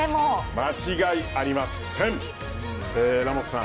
間違いありません。